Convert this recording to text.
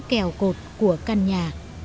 kèo cột của căn nhà